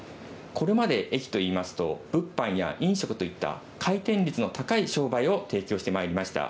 これまで駅といいますと、物販や飲食といった回転率の高い商売を提供してまいりました。